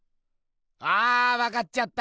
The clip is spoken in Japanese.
あわかっちゃった。